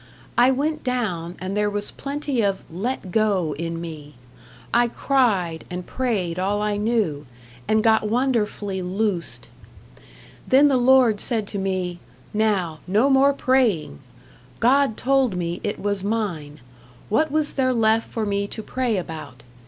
I went down, and there was plenty of "let go" in me. I cried, and prayed all I knew, and got wonderfully loosed.... Then the Lord said to me, "Now, no more praying!" God told me it was mine. What was there left for me to pray about.